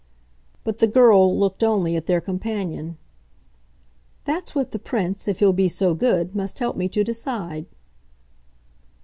But the girl looked only at their companion. "That's what the Prince, if he'll be so good, must help me to decide."